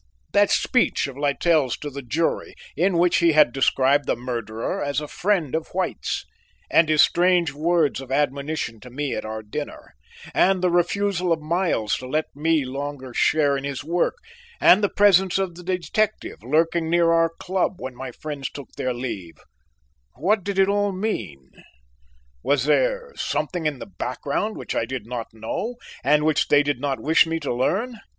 That speech of Littell's to the jury in which he had described the murderer as a friend of White's, and his strange words of admonition to me at our dinner, and the refusal of Miles to let me longer share in his work, and the presence of the detective, lurking near our club when my friends took their leave, what did it all mean? Was there something in the background which I did not know and which they did not wish me to learn?